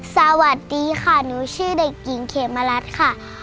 สวัสดีค่ะหนูชื่อเด็กหญิงเขมรัฐค่ะ